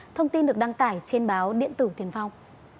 thông tin được đăng tải trên báo điện tử tiền phong